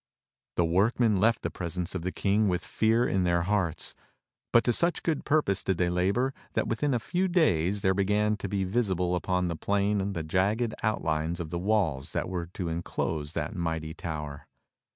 The workmen left the presence of the King with fear in their hearts; but to such good purpose did they labor that within a few days there began to be visible upon the plain the jagged outlines of the. walls that were to enclose that mighty tower.